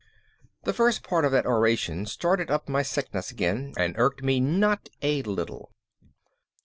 The first part of that oration started up my sickness again and irked me not a little.